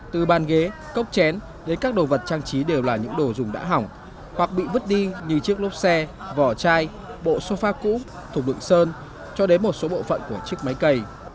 từ bàn ghế cốc chén đến các đồ vật trang trí đều là những đồ dùng đã hỏng hoặc bị vứt đi như chiếc lốp xe vỏ chai bộ sofa cũ thuộc đựng sơn cho đến một số bộ phận của chiếc máy cày